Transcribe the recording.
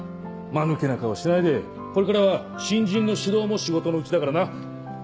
間抜けな顔してないでこれからは新人の指導も仕事のうちだからな。